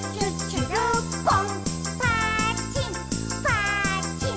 「ぱっちんぱっちん」